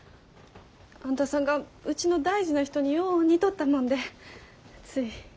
あんたさんがうちの大事な人によう似とったもんでつい。